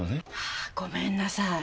あーごめんなさい